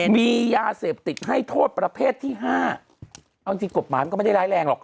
มียาเสพติดให้โทษประเภทที่๕เอาจริงกฎหมายมันก็ไม่ได้ร้ายแรงหรอก